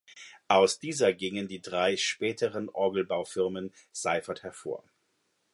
Aus dieser gingen die drei späteren Orgelbaufirmen Seifert hervor.